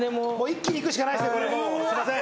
一気にいくしかないですねすいません。